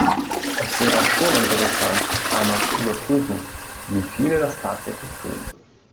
Es wäre schon interessant, einmal zu überprüfen, wie viele das tatsächlich tun.